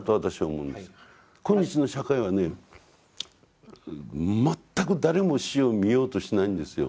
今日の社会はね全く誰も死を見ようとしないんですよ。